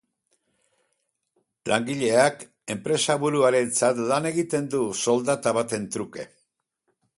Langileak enpresaburuarentzat lan egiten du soldata baten truke.